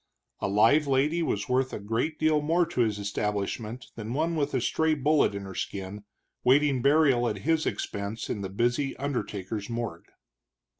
A live lady was worth a great deal more to his establishment than one with a stray bullet in her skin, waiting burial at his expense in the busy undertaker's morgue.